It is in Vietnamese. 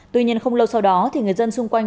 tuy nhiên không lâu sau đó thì người dân xung quanh